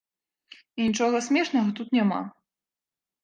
І нічога смешнага тут няма.